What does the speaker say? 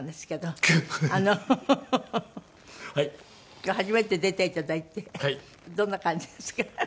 今日初めて出ていただいてどんな感じですか？